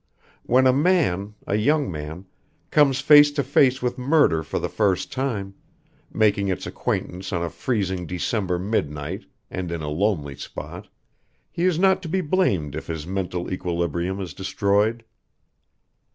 When a man a young man comes face to face with murder for the first time, making its acquaintance on a freezing December midnight and in a lonely spot, he is not to be blamed if his mental equilibrium is destroyed.